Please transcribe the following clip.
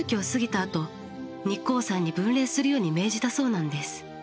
あと日光山に分霊するように命じたそうなんです。